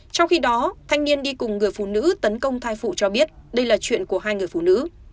trong khi đó thanh niên đi cùng người phụ nữ tấn công thai phụ cho biết đây là chuyện của hai người phụ nữ